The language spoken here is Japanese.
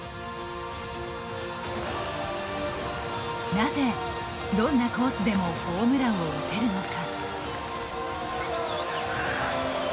なぜどんなコースでもホームランを打てるのか。